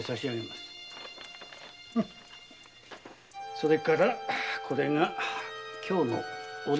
それからこれが今日のお礼です。